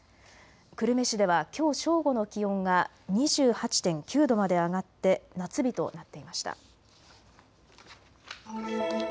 久留米市ではきょう正午の気温が２８．９度まで上がって夏日となっていました。